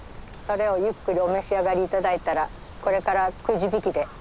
それをゆっくりお召し上がりいただいたらこれからくじ引きで。